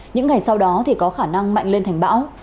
những ngày sau đó thì có khả năng mạnh lên thành bão